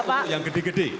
untuk yang gede gede